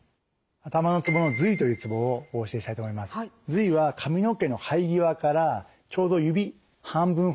頭維は髪の毛の生え際からちょうど指半分ほどですね